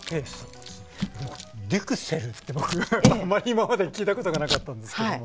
「デュクセル」って僕あんまり今まで聞いたことがなかったんですけども。